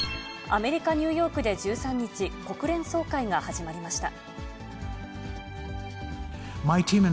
アメリカ・ニューヨークで１３日、国連総会が始まりました。